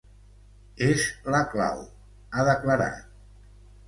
És la clau, ha declarat.